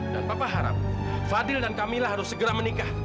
dan papa harap fadil dan kamila harus segera menikah